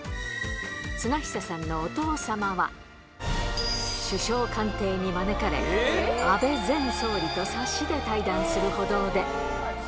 綱久さんのお父様は、首相官邸に招かれ、安倍前総理とさしで対談するほどで。